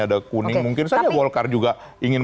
ada kuning mungkin saja golkar juga ingin